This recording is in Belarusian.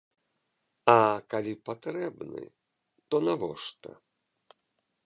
А калі патрэбны, то навошта?